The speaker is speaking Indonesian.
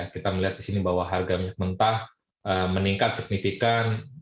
kita melihat di sini bahwa harga minyak mentah meningkat signifikan